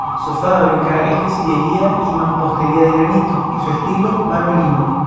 Su fábrica es de sillería y mampostería de granito y su estilo manuelino.